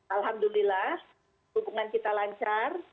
alhamdulillah hubungan kita lancar